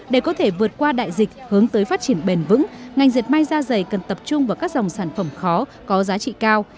để có thể vượt qua đại dịch hướng tới phát triển bền vững ngành diệt may ra dày cần tập trung vào các dòng sản phẩm khó có giá trị cao